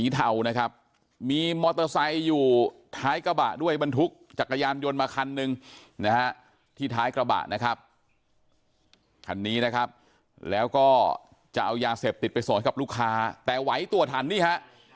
ท้ายกระบะด้วยบรรทุกจักรยานยนต์มาคันนึงนะฮะที่ท้ายกระบะนะครับคันนี้นะครับแล้วก็จะเอายาเสพติดไปส่งกับลูกค้าแต่ไหวตัวถันนี้ฮะ